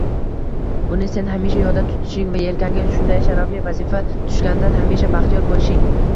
Buni sen hamisha yodda tutishing va yelkangga shunday sharafli vazifa tushganidan hamisha baxtiyor boʻlishing